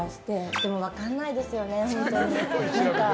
でも分かんないですよね。